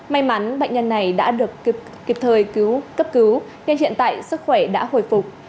may mắn bệnh nhân này đã được kịp thời cứu cấp cứu nhưng hiện tại sức khỏe đã hồi phục